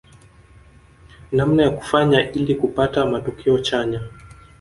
Namna ya kufanya ili kupata matokeo chanya